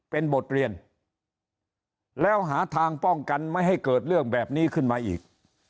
เป็นบทเรียนแล้วหาทางป้องกันไม่ให้เกิดเรื่องแบบนี้ขึ้นมาอีก